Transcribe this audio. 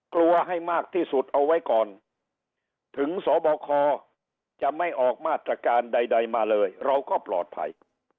กลัวให้มากที่สุดเอาไว้ก่อนถึงสบคจะไม่ออกมาตรการใดมาเลยเราก็ปลอดภัย